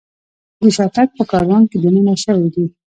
د شاتګ په کاروان کې دننه شوي دي.